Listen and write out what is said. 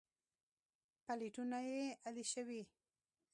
پلېټونه يې الېشوي.